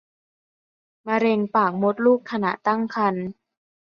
มะเร็งปากมดลูกขณะตั้งครรภ์